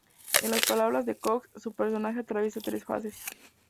En las palabras de Cox, su personaje "atraviesa tres fases.